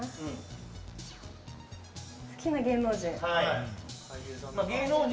好きな芸能人。